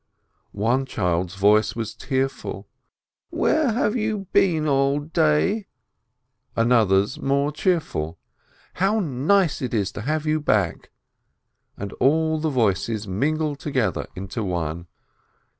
One child's voice was tearful : "Where have you been all day ?" another's more cheerful : "How nice it is to have you back!" and all the voices mingled together into one.